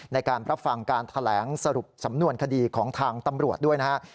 ในการรับฟังการแถลงสรุปสำนวนคดีของทางตำรวจด้วยนะครับ